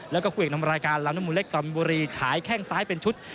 แล้วก็คู่เอกนำรายการลำน้ำมูลเล็กกอมบุรีฉายแข้งซ้ายเป็นชุด